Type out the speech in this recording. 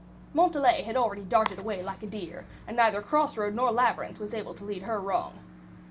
Montalais had already darted away like a deer, and neither cross road nor labyrinth was able to lead her wrong.